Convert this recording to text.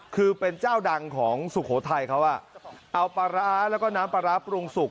คือเป็นเจ้าดังของสุโขทัยเขาอ่ะเอาปลาร้าแล้วก็น้ำปลาร้าปรุงสุก